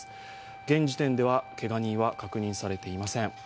現時点ではけが人は確認されていません。